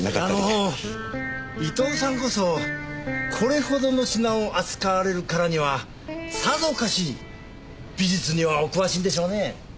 あの伊藤さんこそこれほどの品を扱われるからにはさぞかし美術にはお詳しいんでしょうねえ。